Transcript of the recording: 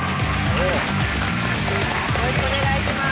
よろしくお願いします